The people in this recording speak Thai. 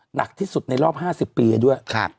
หนักที่สุดในรอบ๕๐ปีด้วย